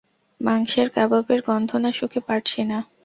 মাংসের কাবাবের গন্ধ না শুকে পারছি না।